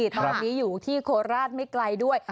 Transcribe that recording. ตอนนี้อยู่ที่โคราชไม่ไกลด้วย